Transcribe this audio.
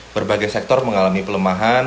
berbagai sektor mengalami pelemahan